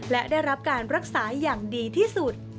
และได้รับการรักษาอย่างดีที่สุด